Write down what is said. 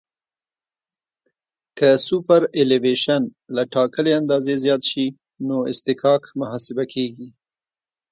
که سوپرایلیویشن له ټاکلې اندازې زیات شي نو اصطکاک محاسبه کیږي